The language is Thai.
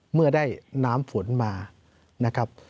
เมื่อได้น้ำฝนมานะครับ